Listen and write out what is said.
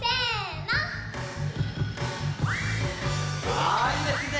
あいいですね。